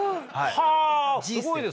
はあすごいですね。